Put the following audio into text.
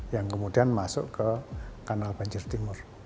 yang kemudian masuk ke kanal banjir timur